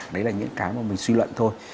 đấy là những cái mà mình suy luận thôi